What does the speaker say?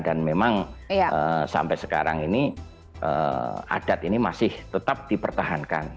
dan memang sampai sekarang ini adat ini masih tetap dipertahankan